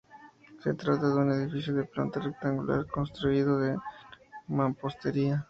Se trata de un edificio de planta rectangular construido en mampostería.